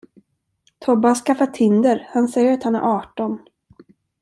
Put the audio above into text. Tobbe har skaffat Tinder, han säger att han är arton.